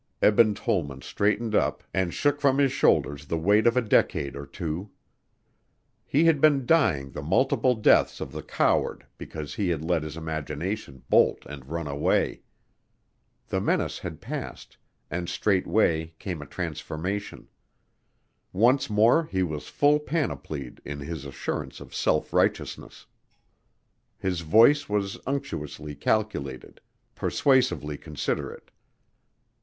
Eben Tollman straightened up, and shook from his shoulders the weight of a decade or two. He had been dying the multiple deaths of the coward because he had let his imagination bolt and run away. The menace had passed, and straightway came a transformation. Once more he was full panoplied in his assurance of self righteousness. His voice was unctuously calculated, persuasively considerate.